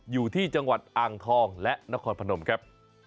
อยู่ที่จังหวัดอ่างทองและนครพนมครับ